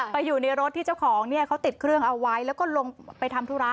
อยู่ในรถที่เจ้าของเนี่ยเขาติดเครื่องเอาไว้แล้วก็ลงไปทำธุระ